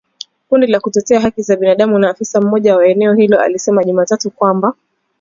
Kundi la kutetea haki za binadamu na afisa mmoja wa eneo hilo alisema Jumatatu kwamba